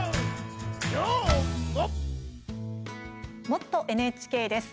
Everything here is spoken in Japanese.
「もっとＮＨＫ」です。